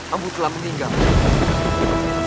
ambo telah meninggal